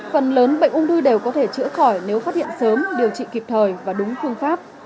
phần lớn bệnh ung thư đều có thể chữa khỏi nếu phát hiện sớm điều trị kịp thời và đúng phương pháp